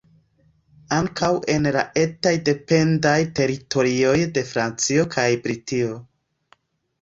Ankaŭ en la etaj dependaj teritorioj de Francio kaj Britio.